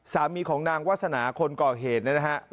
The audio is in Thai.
สามีของนางวัฒนาคนก่อเหตุนะครับ